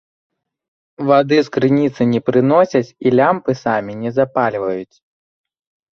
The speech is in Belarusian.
Вады з крыніцы не прыносяць і лямпы самі не запальваюць.